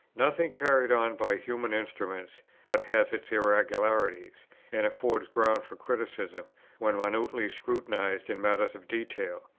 Nothing carried on by human instruments, but has its irregularities, and affords ground for criticism, when minutely scrutinized in matters of detail.